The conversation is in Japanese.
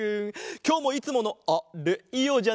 きょうもいつものあれいおうじゃないか？